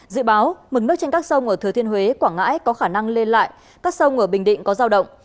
dự báo mực nước trên các sông ở thừa thiên huế quảng ngãi có khả năng lên lại các sông ở bình định có giao động